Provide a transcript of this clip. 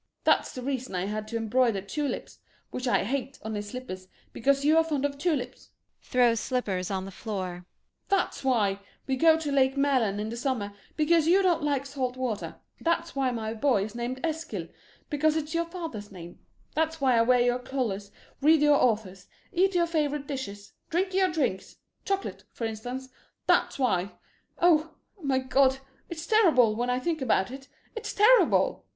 ] That's the reason I had to embroider tulips which I hate on his slippers, because you are fond of tulips; that's why [Throws slippers on the floor] we go to Lake Mälarn in the summer, because you don't like salt water; that's why my boy is named Eskil because it's your father's name; that's why I wear your colors, read your authors, eat your favorite dishes, drink your drinks chocolate, for instance; that's why oh my God it's terrible, when I think about it; it's terrible.